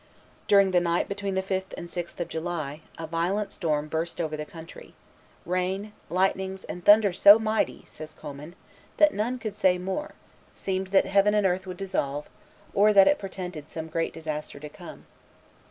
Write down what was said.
During the night between the 5th and 6th of July, a violent storm burst over the country, "rain, lightnings, and thunder so mighty," says Commynes, "that none could say more; seemed that heaven and earth would dissolve, or that it portended some great disaster to come."